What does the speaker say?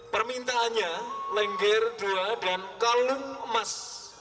permintaannya lengger dua dan kalung emas